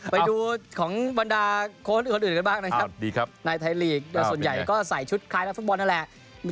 ไปดูของบรรดาโค้ชอื่นกันบ้างนะครับในไทยลีกโดยส่วนใหญ่ก็ใส่ชุดคล้ายนักฟุตบอลนั่นแหละ